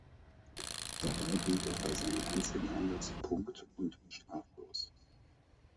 Dabei blieb er bei seinem einzigen Einsatz punkt- und straflos.